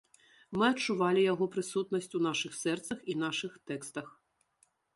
Мы адчувалі яго прысутнасць у нашых сэрцах і нашых тэкстах.